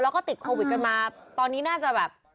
แล้วก็ติดโควิดกันมาตอนนี้น่าจะแบบ